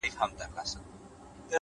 پوهه انسان آزادوي؛